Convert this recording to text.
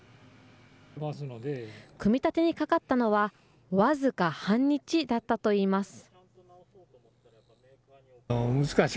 組み立てにかかったのは、僅か半日だったといいます。